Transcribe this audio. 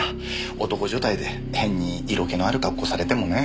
男所帯で変に色気のある格好されてもね。